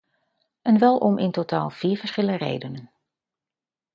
En wel om in totaal vier verschillende redenen.